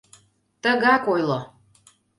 — Тыгак ойло!